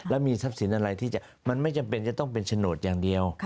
แล้วมีทรัพย์สินอะไรที่มันไม่จำเป็นจะต้องเป็นโฉนดอย่างเดียว